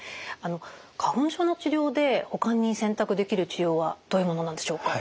花粉症の治療でほかに選択できる治療はどういうものなんでしょうか？